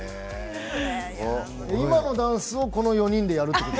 今のダンスをこの４人でやるということ？